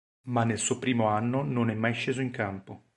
Ma nel suo primo anno non è mai sceso in campo.